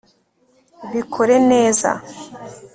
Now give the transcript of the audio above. bikore neza